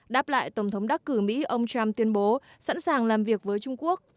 đáp lại tổng thống đắc cử mỹ ông trump tuyên bố sẵn sàng làm việc với trung quốc